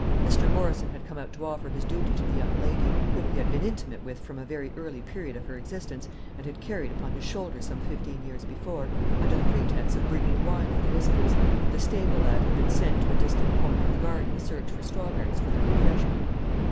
Mr. Morrison had come out to offer his duty to the young lady whom he had been intimate with from a very early period of her existence, and had carried upon his shoulder some fifteen years before under the pretence of bringing wine for the visitors; and the stable lad had been sent to a distant corner of the garden to search for strawberries for their refreshment.